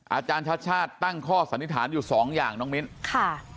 อาจารย์ชาติชาติตั้งข้อสันนิษฐานอยู่สองอย่างน้องมิ้นค่ะ